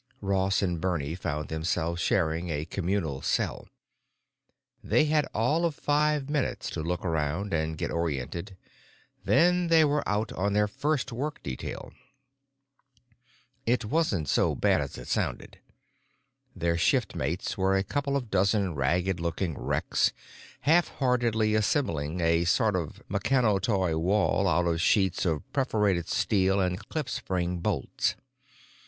Ross and Bernie found themselves sharing a communal cell. They had all of five minutes to look around and get oriented; then they were out on their first work detail. It wasn't so bad as it sounded. Their shiftmates were a couple of dozen ragged looking wrecks, half heartedly assembling a sort of meccano toy wall out of sheets of perforated steel and clip spring bolts.